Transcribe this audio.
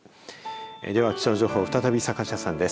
では、気象情報再び、坂下さんです。